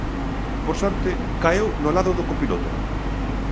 Por sorte, caeu no lado do copiloto.